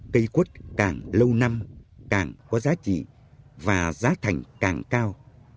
cây quất càng lâu năm càng có giá trị và giá thành càng cao